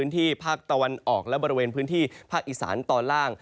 ที่ภาคตะวันออกและบริเวณพื้นที่ภาคอีสานตอนล่าง